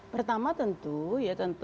pertama tentu ya tentu